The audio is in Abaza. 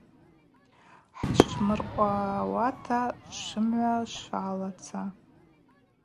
Хӏшвмыркъвауата швымгӏва швалаца.